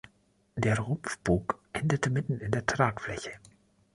Der Rumpfbug endete mitten in der Tragfläche.